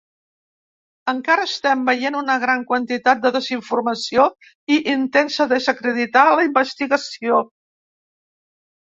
Encara estem veient una gran quantitat de desinformació i intents de desacreditar la investigació.